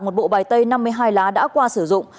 một bộ bài tay năm mươi hai lá đã qua sử dụng